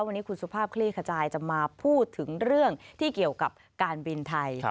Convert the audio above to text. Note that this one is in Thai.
วันนี้คุณสุภาพคลี่ขจายจะมาพูดถึงเรื่องที่เกี่ยวกับการบินไทย